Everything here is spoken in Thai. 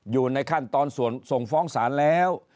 อยู่ในขั้นตอนส่วนส่งฟ้องศาลแล้ว